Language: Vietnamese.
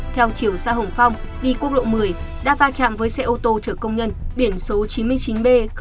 theo chiều xa hồng phong đi quốc lộ một mươi đã pha chạm với xe ô tô trở công nhân biển số chín mươi chín b hai nghìn một trăm năm mươi